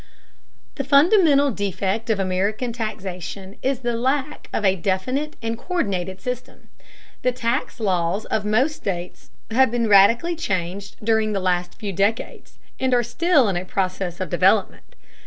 The fundamental defect of American taxation is the lack of a definite and co÷rdinated system. The tax laws of most states have been radically changed during the last few decades, and are still in a process of development.